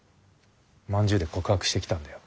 まんじゅうで告白してきたんだよ。